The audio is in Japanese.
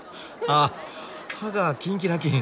あ歯がキンキラキン。